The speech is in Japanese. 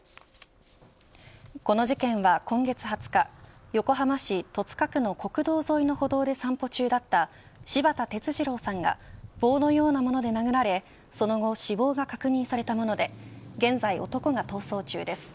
この事件は今月２０日横浜市戸塚区の国道沿いの歩道で散歩中だった柴田哲二郎さんが棒のようなもので殴られその後死亡が確認されたもので現在、男が逃走中です。